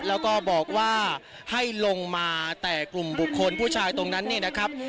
แล้วก็บอกว่าให้ลงมาแต่กลุ่มบุคคลผู้ชายตรงนั้นเนี่ยนะครับ